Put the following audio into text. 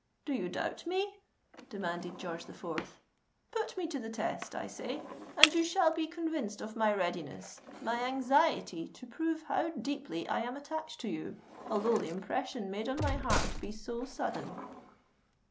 "Do you doubt me?" demanded George the Fourth. "Put me to the test, I say—and you shall be convinced of my readiness, my anxiety to prove how deeply I am attached to you, although the impression made on my heart be so sudden."